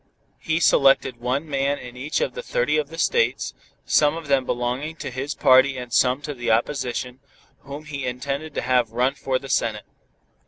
He selected one man in each of thirty of the States, some of them belonging to his party and some to the opposition, whom he intended to have run for the Senate.